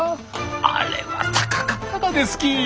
あれは高かったがですき！